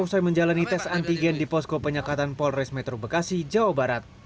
usai menjalani tes antigen di posko penyekatan polres metro bekasi jawa barat